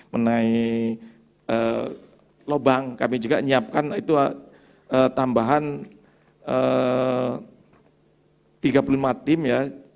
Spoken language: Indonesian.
menaih lobang kami juga menyiapkan tambahan tiga puluh lima tim ya